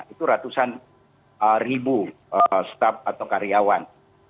itu ratusan ribu staff atau karyawan